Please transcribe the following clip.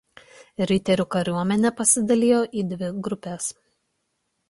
Riterių kariuomenė pasidalijo į dvi grupes.